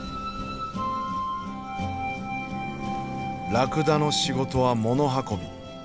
ラクダの仕事は物運び。